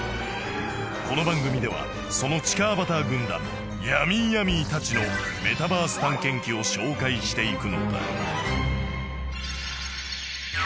この番組ではその地下アバター軍団ヤミーヤミーたちのメタバース探検記を紹介していくのだ